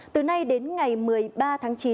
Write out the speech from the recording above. từ nay đến ngày một mươi ba tháng chín